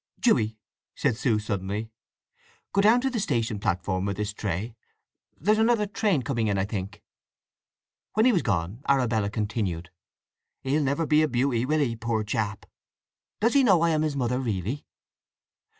"Juey," said Sue suddenly, "go down to the station platform with this tray—there's another train coming in, I think." When he was gone Arabella continued: "He'll never be a beauty, will he, poor chap! Does he know I am his mother really?"